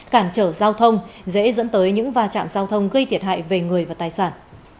cản trở giao thông dễ dẫn tới những va chạm giao thông gây thiệt hại về người và tài sản